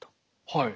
はい。